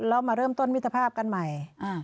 เรามาเริ่มต้นวิธภาพกันใหม่